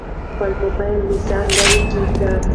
خپل موبایل له ځانه لیرې کېږده.